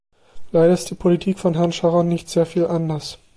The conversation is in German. Leider ist die Politik von Herrn Sharon nicht sehr viel anders.